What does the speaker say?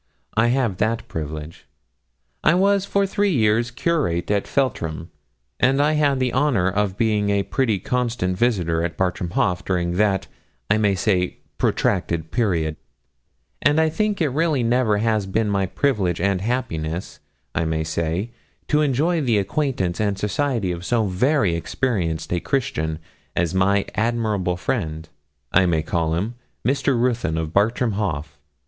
I have that privilege. I was for three years curate of Feltram, and I had the honour of being a pretty constant visitor at Bartram Haugh during that, I may say, protracted period; and I think it really never has been my privilege and happiness, I may say, to enjoy the acquaintance and society of so very experienced a Christian, as my admirable friend, I may call him, Mr. Ruthyn, of Bartram Haugh.